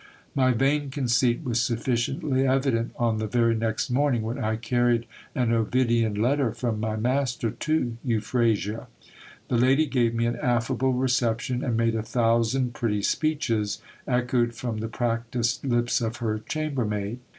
My vain conceit was sufficiently evident on the very next morning, when I carried an Ovidian letter from my master to Euphrasia. The lady gave me an affable EUPHRASIES INSTRUCTIONS TO GIL BIAS. 149 reception, and made a thousand pretty speeches, echoed from the practised lips of her chambermaid.